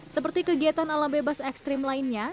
seperti kegiatan alam bebas ekstrim lainnya